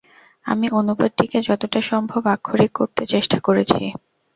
আমি অনুবাদটিকে যতটা সম্ভব আক্ষরিক করতে চেষ্টা করেছি।